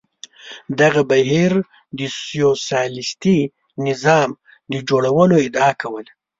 دغه بهیر د سوسیالیستي نظام د جوړولو ادعا کوله.